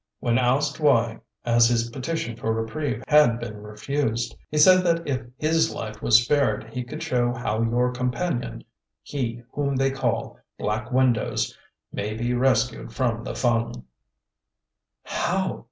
When asked why, as his petition for reprieve had been refused, he said that if his life was spared he could show how your companion, he whom they call Black Windows, may be rescued from the Fung." "How?"